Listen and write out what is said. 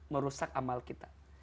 merusak amal kita